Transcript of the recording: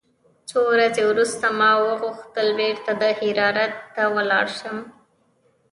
څو ورځې وروسته ما غوښتل بېرته دهراوت ته ولاړ سم.